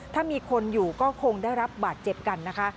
ถ้ามีคนอยู่ก็คงได้รับบาดเจ็บกันนะคะ